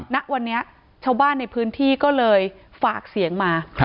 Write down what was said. ณวันนี้ชาวบ้านในพื้นที่ก็เลยฝากเสียงมา